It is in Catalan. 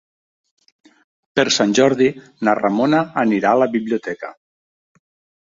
Per Sant Jordi na Ramona anirà a la biblioteca.